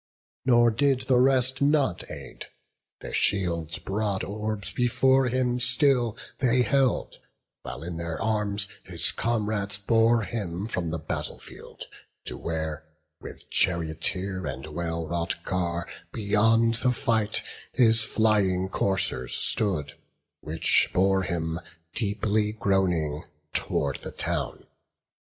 Nor did the rest not aid; their shields' broad orbs Before him still they held, while in their arms His comrades bore him from the battle field, To where, with charioteer and well wrought car, Beyond the fight, his flying coursers stood, Which bore him, deeply groaning, tow'rd the town.